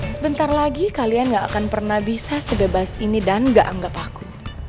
sebentar lagi kalian gak akan pernah bisa sebebas ini dan gak anggap aku